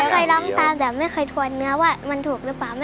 เคยร้องตามแต่ไม่เคยทวนเนื้อว่ามันถูกหรือเปล่า